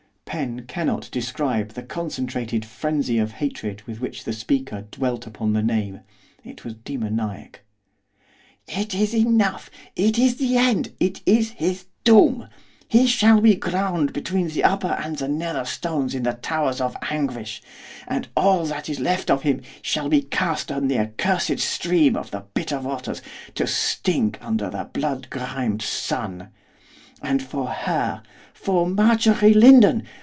Pen cannot describe the concentrated frenzy of hatred with which the speaker dwelt upon the name, it was demoniac. 'It is enough! it is the end! it is his doom! He shall be ground between the upper and the nether stones in the towers of anguish, and all that is left of him shall be cast on the accursed stream of the bitter waters, to stink under the blood grimed sun! And for her for Marjorie Lindon!